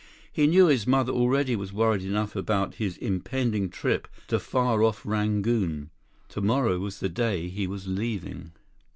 He knew his mother already was worried enough about his impending trip to far off Rangoon. Tomorrow was the day he was leaving.